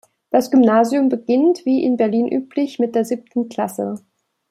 Das Gymnasium beginnt wie in Berlin üblich mit der siebten Klasse.